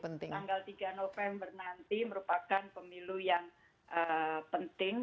tetapi memang pemilu tanggal tiga november nanti merupakan pemilu yang penting